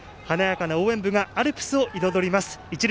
華やかな応援部がアルプスを彩ります。